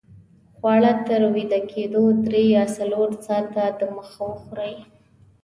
خواړه تر ویده کېدو درې یا څلور ساته دمخه وخورئ